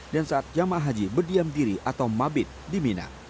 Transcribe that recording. dan saat joma haji berdiam diri atau mabit di mina